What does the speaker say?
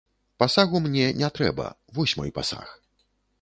Пасагу мне не трэба, вось мой пасаг.